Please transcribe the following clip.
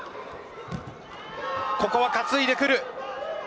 ここは担いでくる。